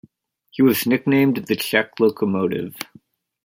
He was nicknamed the "Czech Locomotive".